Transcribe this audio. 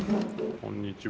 こんにちは。